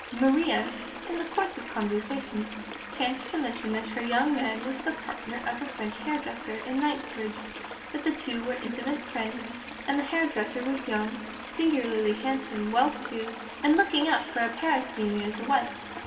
Maria, in the course of conversation, chanced to mention that her "young man" was the partner of a French hairdresser in Knightsbridge; that the two were intimate friends; that the hairdresser was young, singularly handsome, well to do, and looking out for a Parisienne as a wife.